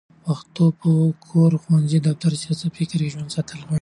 پښتو په کور، ښوونځي، دفتر، سیاست او فکر کې ژوندي ساتل غواړي